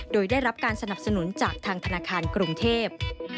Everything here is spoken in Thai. โดยได้รับการสนับสนุนจากทางธนาคารกรุงเทพ